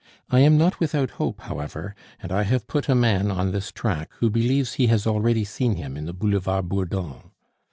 I am not without hope, however, and I have put a man on this track who believes he has already seen him in the Boulevard Bourdon.